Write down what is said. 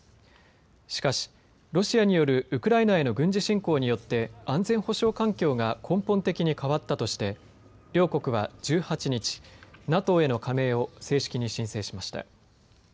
しかし、ロシアによるウクライナへの軍事侵攻によって安全保障環境が根本的に変わったとして両国は１８日ＮＡＴＯへの加盟を正式に申請しました。